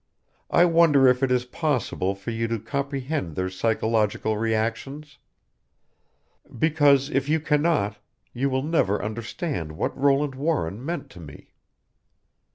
I wonder if it is possible for you to comprehend their psychological reactions? Because if you cannot you will never understand what Roland Warren meant to me.